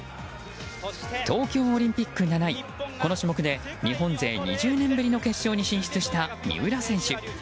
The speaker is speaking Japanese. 東京オリンピック７位この種目で日本勢２０年ぶりの決勝に進出した、三浦選手。